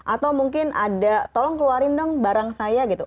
atau mungkin ada tolong keluarin dong barang saya gitu